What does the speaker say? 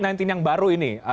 covid sembilan belas yang baru ini